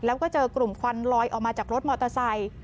แล้วก็เจอกลุ่มควันลอยออกมาจากรถมอเตอร์ไซค์